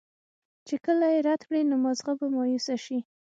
چې کله ئې رد کړي نو مازغۀ به مايوسه شي